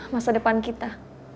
masa depan kita